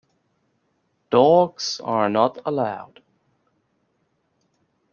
Dogs are not allowed.